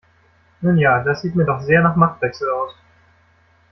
Nun ja, das sieht mir doch sehr nach Machtwechsel aus.